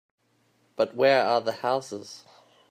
But where are the houses?